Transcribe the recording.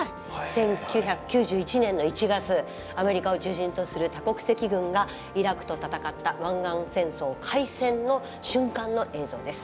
１９９１年の１月アメリカを中心とする多国籍軍がイラクと戦った湾岸戦争開戦の瞬間の映像です。